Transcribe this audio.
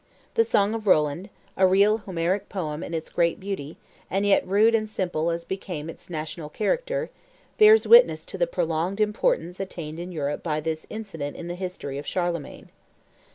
The Song of Roland, a real Homeric poem in its great beauty, and yet rude and simple as became its national character, bears witness to the prolonged importance attained in Europe by this incident in the history of Charlemagne.